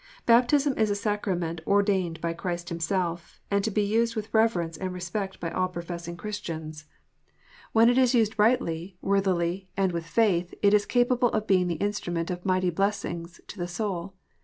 Baptism is a sacrament ordained by Christ Himself, and to be used with reverence and respect by all professing Christians. 382 KNOTS UNTIED. When it is used rightly, worthily, and with faith, it is capable of being the instrument of mighty blessings to the soul.